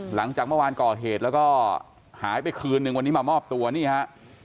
หลังจากเมื่อวานก่อเหตุแล้วก็หายไปคืนนึงวันนี้มามอบตัวนี่ฮะ